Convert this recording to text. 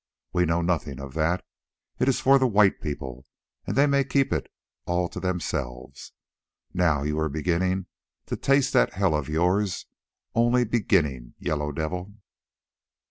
We know nothing of that, it is for the white people, and they may keep it all to themselves. Now you are beginning to taste that hell of yours—only beginning, Yellow Devil.